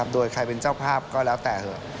โดยใครเป็นเจ้าภาพก็แล้วแต่เถอะ